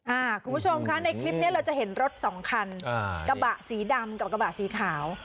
คุณผู้ชมค่ะในคลิปเนี้ยเราจะเห็นรถสองคันอ่ากระบะสีดำกับกระบะสีขาว